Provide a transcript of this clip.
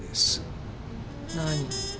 何？